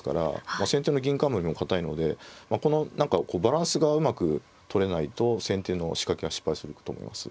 まあ先手の銀冠も堅いのでこの何かバランスがうまくとれないと先手の仕掛けは失敗すると思います。